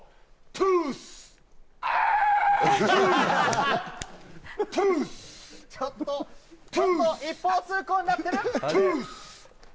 トゥース！一方通行になってる。